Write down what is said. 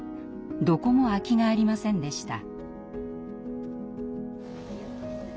どこも空きがありませんでした。